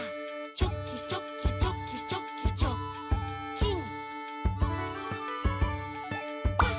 「チョキチョキチョキチョキチョッキン！」